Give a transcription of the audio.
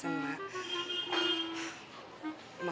robinya robinya bosen mak